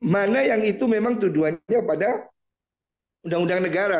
mana yang itu memang tujuannya pada undang undang negara